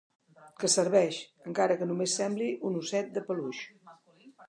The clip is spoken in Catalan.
Que serveix, encara que només sembli un osset de peluix.